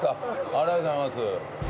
ありがとうございます。